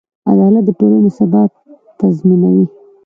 عدالت د ټولنې ثبات تضمینوي.